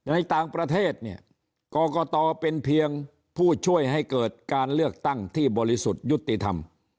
ในต่างประเทศเนี่ยกรกตเป็นเพียงผู้ช่วยให้เกิดการเลือกตั้งที่บริสุทธิ์ยุติธรรม